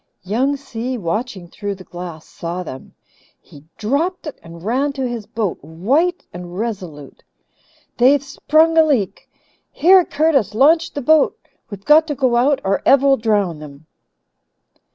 Young Si, watching through the glass, saw them. He dropped it and ran to his boat, white and resolute. "They've sprung a leak. Here, Curtis, launch the boat. We've got to go out or Ev will drown them."